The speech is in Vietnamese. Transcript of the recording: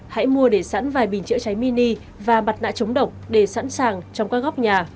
hãy mua để sẵn vài bình chữa cháy mini và mặt nạ chống độc để sẵn sàng trong các góc nhà